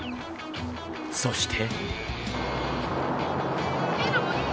そして。